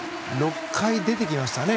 ６回出てきましたね。